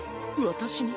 私に？